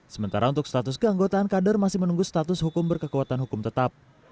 sementara untuk status keanggotaan kader masih menunggu status hukum berkekuatan hukum tetap